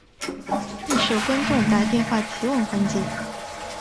亦设观众打电话提问环节。